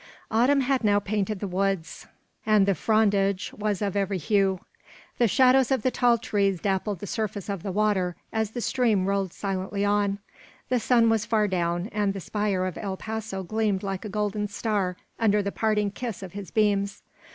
Autumn had now painted the woods, and the frondage was of every hue. The shadows of the tall trees dappled the surface of the water, as the stream rolled silently on. The sun was far down, and the spire of El Paso gleamed like a golden star under the parting kiss of his beams.